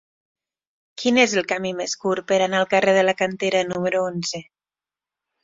Quin és el camí més curt per anar al carrer de la Cantera número onze?